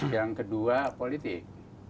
yang kedua politik